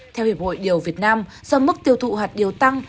theo hiệp hội điều việt nam do mức tiêu thụ hạt điều tăng